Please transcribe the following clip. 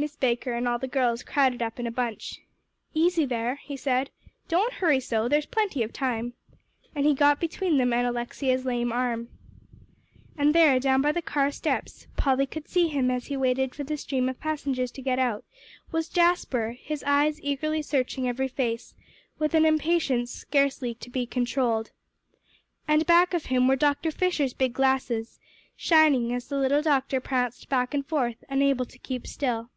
Miss Baker and all the girls crowded up in a bunch. "Easy there," he said. "Don't hurry so; there's plenty of time." And he got between them and Alexia's lame arm. And there, down by the car steps Polly could see him as he waited for the stream of passengers to get out was Jasper, his eyes eagerly searching every face, with an impatience scarcely to be controlled. And back of him were Dr. Fisher's big glasses, shining as the little doctor pranced back and forth, unable to keep still.